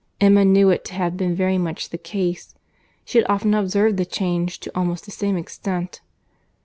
Emma knew it to have been very much the case. She had often observed the change, to almost the same extent.